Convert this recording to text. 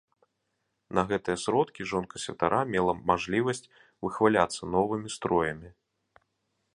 На гэтыя сродкі жонка святара мела мажлівасць выхваляцца новымі строямі.